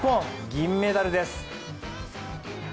銀メダルです。